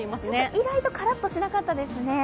意外とカラッとしなかったですね。